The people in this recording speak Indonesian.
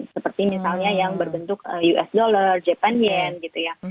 seperti misalnya yang berbentuk us dollar japan yen gitu ya